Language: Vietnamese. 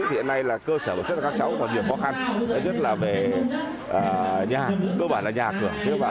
hiện nay là cơ sở vật chất của các cháu còn nhiều khó khăn nhất là về nhà cơ bản là nhà cửa